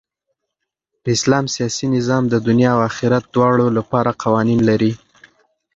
د اسلام سیاسي نظام د دؤنيا او آخرت دواړو له پاره قوانين لري.